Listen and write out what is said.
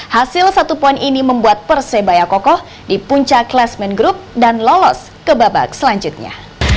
hasil satu poin ini membuat persebaya kokoh di puncak klasmen group dan lolos ke babak selanjutnya